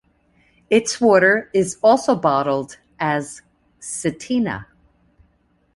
Its water is also bottled as "Cetina".